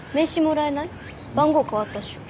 番号変わったっしょ？